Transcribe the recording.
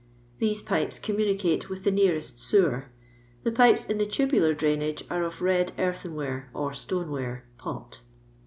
These pipes communioOe with the nearest sewer. Tho pipes in the tubukr drainage are of zed earthenware or stone ware (pot).